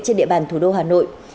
trên địa bàn thủ đô hà nội